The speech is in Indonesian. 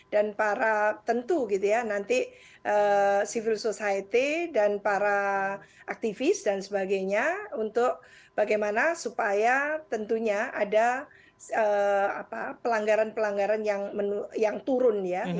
dan para tentu gitu ya nanti civil society dan para aktivis dan sebagainya untuk bagaimana supaya tentunya ada pelanggaran pelanggaran yang turun ya